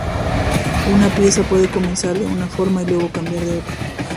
Una pieza puede comenzar de una forma y luego cambiar a la otra.